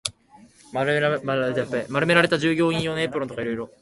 丸められた従業員用のエプロンとか色々